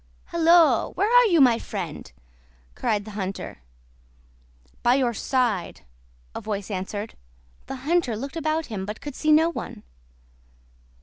"Halloa! where are you, my friend?" cried the hunter. "By your side," a voice answered. The hunter looked about him, but could see no one.